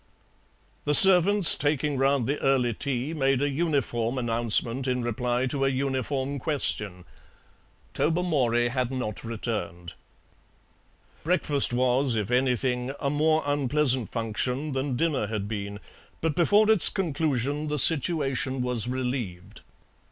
The servants taking round the early tea made a uniform announcement in reply to a uniform question. Tobermory had not returned. Breakfast was, if anything, a more unpleasant function than dinner had been, but before its conclusion the situation was relieved.